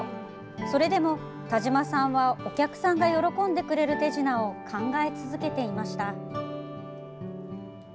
それでも田島さんはお客さんが喜んでくれる手品を考え続けていました。